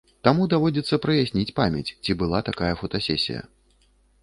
Таму даводзіцца праясніць памяць, ці была такая фотасесія.